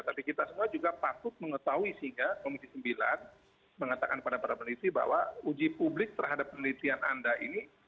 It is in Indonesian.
tapi kita semua juga patut mengetahui sehingga komisi sembilan mengatakan kepada para peneliti bahwa uji publik terhadap penelitian anda ini